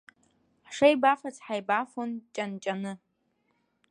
Ҳшеибафац ҳаибафоит ҷан-ҷаны.